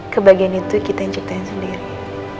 kebahagiaan itu kita yang ciptain sendiri